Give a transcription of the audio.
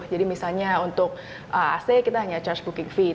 jadi misalnya untuk aac kita hanya charge booking fee